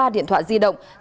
bốn mươi ba điện thoại di động